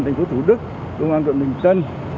tp hcm công an tp hcm